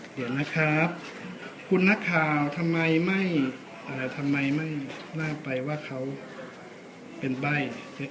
เดี๋ยวนะครับคุณนักข่าวทำไมไม่ทำไมไม่ลากไปว่าเขาเป็นใบ้